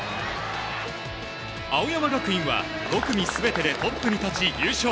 青山学院は５組全てでトップに立ち優勝。